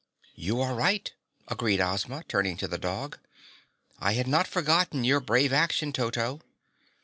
"You are right," agreed Ozma, turning to the dog. "I had not forgotten your brave action, Toto.